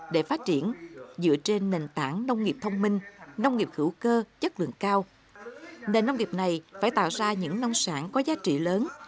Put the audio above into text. để phát triển dựa trên nền tảng nông nghiệp thông minh nông nghiệp hữu cơ chất lượng cao nền nông nghiệp này phải tạo ra những nông sản có giá trị lớn